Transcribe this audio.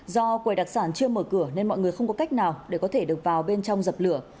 do quầy đặc sản chưa mở cửa nên mọi người không có cách nào để có thể được vào bên trong dập lửa